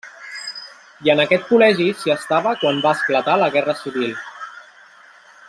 I en aquest col·legi s'hi estava quan va esclatar la Guerra Civil.